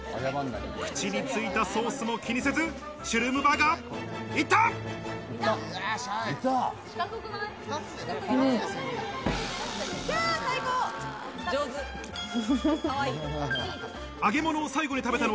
口についたソースも気にせずシュルームバーガー、行った。